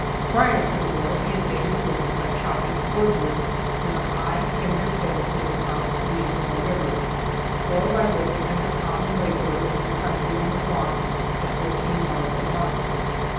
Prior to the war he had made his living by chopping cord wood in the high, timbered hills near the mouth of the Illinois river, or by working as a common laborer in the country on the farms at $14 a month.